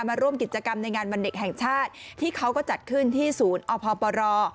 มาร่วมกิจกรรมในงานวันเด็กแห่งชาติที่เขาก็จัดขึ้นที่ศูนย์อพปร